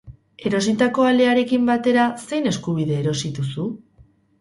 Erositako alearekin batera, zein eskubide erosi duzu?